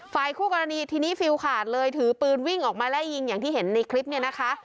ฝ่ายคู่กรณีทีนี้ฟิลขาดเลยถือปืนวิ่งออกมาไล่ยิงอย่างที่เห็นในคลิปเนี่ยนะคะ